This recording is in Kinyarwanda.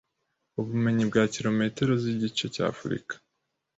ubumenyi bwa kilometero z'igice cya Afurika